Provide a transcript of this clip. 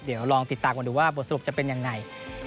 เดี๋ยวเราลองติดตามมาดูว่าบทสรุปจะเป็นอย่างไร